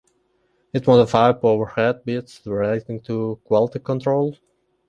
It modifies overhead bits relating to quality control.